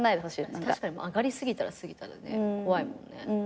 確かに上がり過ぎたら過ぎたでね怖いもんね。